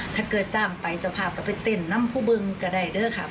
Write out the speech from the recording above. ถ้าเกิดจ้ามไปเจ้าภาพก็ไปเต้นน้ำผู้บึงก็ได้ด้วยค่ะ